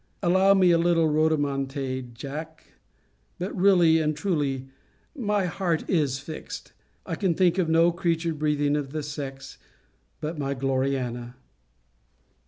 Allow me a little rhodamantade, Jack but really and truly my heart is fixed. I can think of no creature breathing of the sex, but my Gloriana.